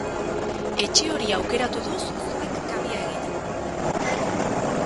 Etxe hori aukeratu du zozoak kabia egiteko.